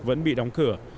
vẫn bị đóng cửa